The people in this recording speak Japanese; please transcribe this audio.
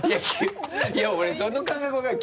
いや俺その感覚分からない。